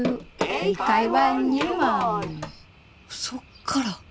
そっから？